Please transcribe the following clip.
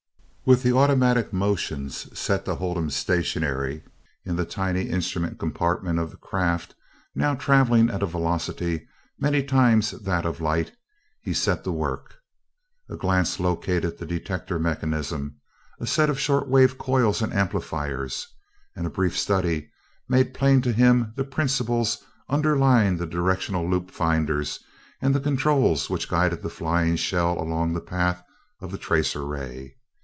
With the automatic motions set to hold him stationary in the tiny instrument compartment of the craft, now traveling at a velocity many times that of light, he set to work. A glance located the detector mechanism, a set of short wave coils and amplifiers, and a brief study made plain to him the principles underlying the directional loop finders and the controls which guided the flying shell along the path of the tracer ray.